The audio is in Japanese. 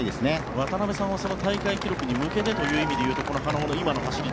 渡辺さんは大会記録に向けてという意味で言うとこの花尾の走り